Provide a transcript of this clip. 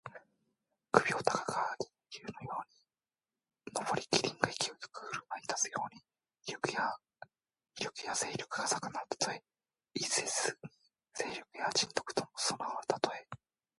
首を高く上げて竜のように上り、麒麟が勢いよく振るい立つように、威力や勢力が盛んなたとえ。一説に勢力・仁徳ともに備わるたとえ。